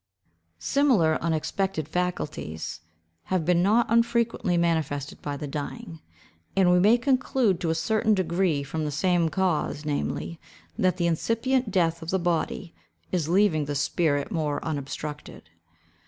Similar unexpected faculties have been not unfrequently manifested by the dying, and we may conclude to a certain degree from the same cause, namely, that the incipient death of the body is leaving the spirit more unobstructed.